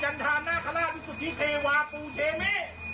นาคลาวิสุทธิเทวาภูเชเม